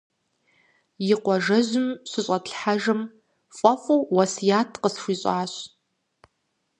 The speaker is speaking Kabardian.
И къуажэжьым щыщӏэтлъхьэжым фӏэфӏу уэсят къысхуищӏащ.